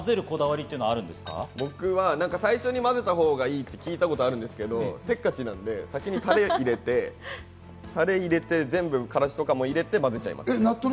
僕は最初に混ぜたほうがいいと聞いたことがあるんですけど、せっかちなんで先にタレを入れて、全部からしとかも入れてまぜちゃいます。